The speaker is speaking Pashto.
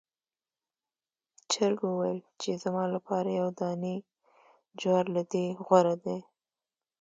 چرګ وویل چې زما لپاره یو دانې جوار له دې غوره دی.